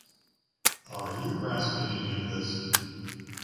Are you grasping any of this?